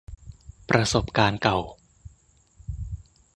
ประสบการณ์เก่า